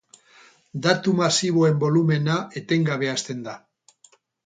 Datu masiboen bolumena etengabe hazten da.